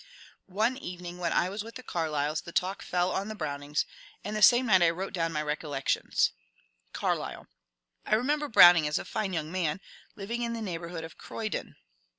One evening when I was with the Carlyles the talk fell on the Brovmings ; and the same night I wrote down my recollec tions :— Carlyle. I remember Browning as a fine young man, living in the neighbourhood of Croydon.